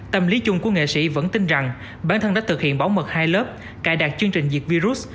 tâm lý chung của nghệ sĩ vẫn tin rằng bản thân đã thực hiện bảo mật hai lớp cài đặt chương trình diệt virus